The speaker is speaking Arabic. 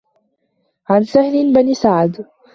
عَنْ سَهْلِ بْنِ سَعْدٍ